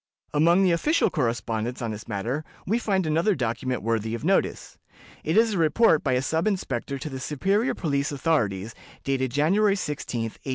Among the official correspondence on this matter we find another document worthy of notice. It is a report by a sub inspector to the superior police authorities, dated January 16, 1810.